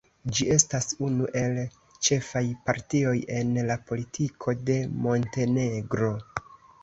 Ĝi estas unu el ĉefaj partioj en la politiko de Montenegro.